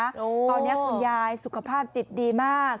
ตอนนี้คุณยายสุขภาพจิตดีมาก